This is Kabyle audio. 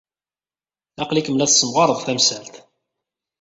Aql-ikem la tessemɣared tamsalt.